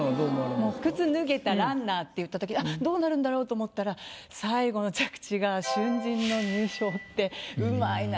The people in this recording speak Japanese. もう「靴脱げたランナー」っていった時にあっどうなるんだろうと思ったら最後の着地が「春塵の入賞」って上手いなぁって。